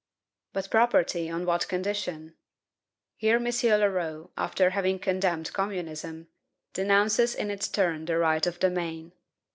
But property on what condition? Here M. Leroux, after having condemned communism, denounces in its turn the right of domain.